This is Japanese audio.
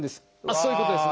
そういうことですね。